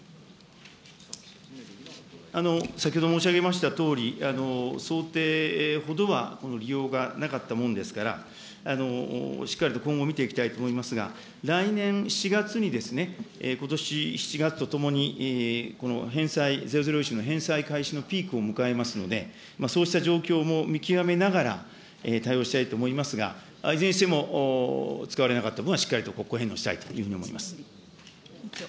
先ほど申し上げましたとおり、想定ほどはこの利用がなかったもんですから、しっかりと今後見ていきたいと思いますが、来年月にことし７月とともにこの返済、ゼロゼロ融資の返済開始のピークを迎えますので、そうした状況も見極めながら、対応したいと思いますが、いずれにしても使われなかった分は、しっかりと国庫返納したいというふうに思います。